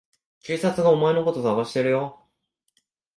警察がお前のこと捜してるよ。